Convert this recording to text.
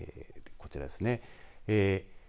こちらですね。